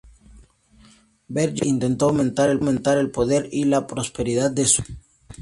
Birger jarl intentó aumentar el poder y la prosperidad de Suecia.